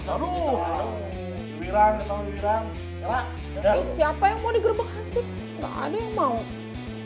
siapa yang mau digerbek hansip